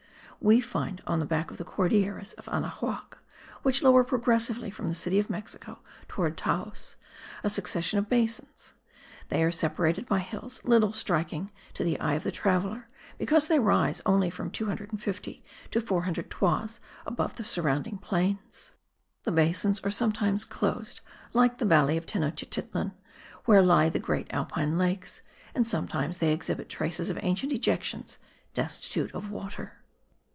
We find on the back of the Cordilleras of Anahuac, which lower progressively from the city of Mexico towards Taos, a succession of basins: they are separated by hills little striking to the eye of the traveller because they rise only from 250 to 400 toises above the surrounding plains. The basins are sometimes closed, like the valley of Tenochtitlan, where lie the great Alpine lakes, and sometimes they exhibit traces of ancient ejections, destitute of water.